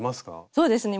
そうですね